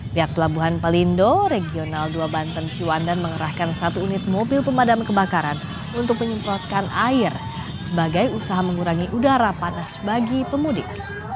pihak pelabuhan pelindo regional dua banten ciwandan mengerahkan satu unit mobil pemadam kebakaran untuk menyemprotkan air sebagai usaha mengurangi udara panas bagi pemudik